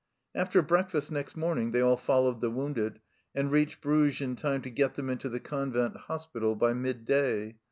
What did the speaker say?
After breakfast next morning they all followed the wounded, and reached Bruges in time to get them into the convent hospital by midday.